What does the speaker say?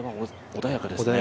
穏やかですね。